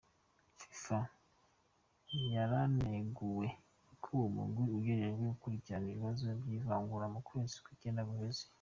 Fifa yaraneguwe ikuye umugwi ujejwe gukurikirana ibibazo vy'ivangura mu kwezi kw'icenda guheze.